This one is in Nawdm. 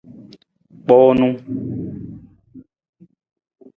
Kpoonu.